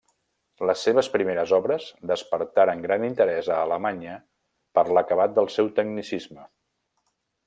Les seves primeres obres despertaren gran interès a Alemanya per l'acabat del seu tecnicisme.